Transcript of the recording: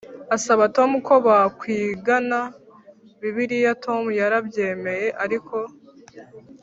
asaba Tom ko bakwigana Bibiliya Tom yarabyemeye ariko